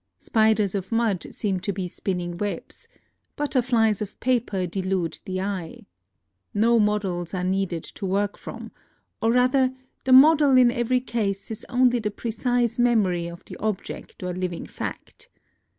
Spiders of mud seem to be spinning webs; butterflies of paper delude the eye. No models are needed to work from ;— or rather, the model in every case is only the precise memory of the object or liv ing fact.